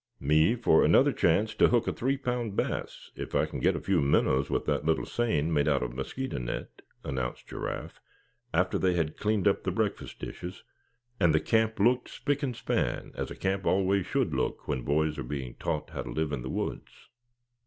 "Me for another chance to hook a three pound bass, if I can get a few minnows with that little seine made of mosquito net," announced Giraffe, after they had cleaned up the breakfast dishes, and the camp looked spic and span as a camp always should look when boys are being taught how to live in the woods.